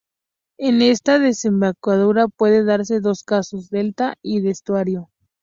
En esta desembocadura pueden darse dos casos: delta y estuario.